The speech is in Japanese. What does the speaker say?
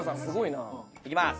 いきます。